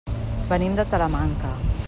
Venim de Talamanca.